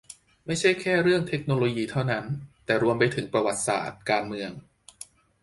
ไม่ใช่แค่เรื่องเทคโนโลยีเท่านั้น แต่รวมไปถึงประวัติศาสตร์ การเมือง